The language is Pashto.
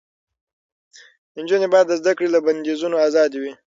نجونې باید د زده کړې له بندیزونو آزادې وي.